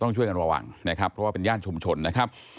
ช่วยกันระวังนะครับเพราะว่าเป็นย่านชุมชนนะครับ